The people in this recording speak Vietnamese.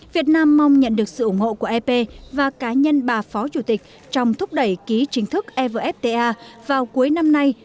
việt nam mong nhận được sự ủng hộ của ep và cá nhân bà phó chủ tịch trong thúc đẩy ký chính thức evfta vào cuối năm nay